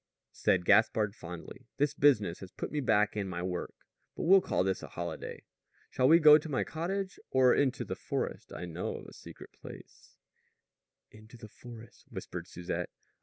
Said Gaspard fondly: "This business has put me back in my work; but we'll call this a holiday. Shall we go to my cottage or into the forest? I know of a secret place " "Into the forest," whispered Susette.